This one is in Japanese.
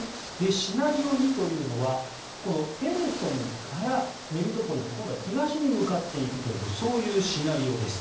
シナリオ２というのはこのヘルソンからメリトポリに今度は東に向かっていくというそういうシナリオです。